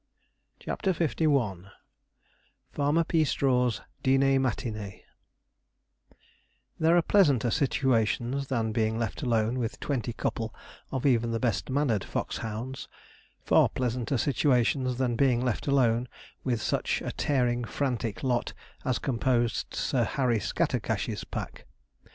CHAPTER LI FARMER PEASTRAW'S DÎNÉ MATINÉE There are pleasanter situations than being left alone with twenty couple of even the best mannered fox hounds; far pleasanter situations than being left alone with such a tearing, frantic lot as composed Sir Harry Scattercash's pack.